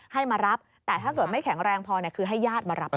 ให้มารับแต่ถ้าเกิดไม่แข็งแรงพอคือให้ญาติมารับ